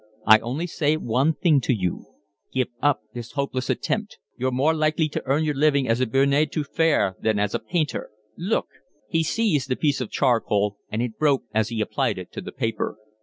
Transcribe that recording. I only say one thing to you, give up this hopeless attempt. You're more likely to earn your living as a bonne a tout faire than as a painter. Look." He seized a piece of charcoal, and it broke as he applied it to the paper.